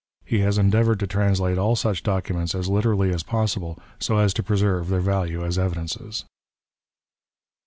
He has endeavoured to translate all such documents as literally as possible, so as to preserve their value as evidences.